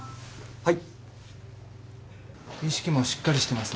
・はい。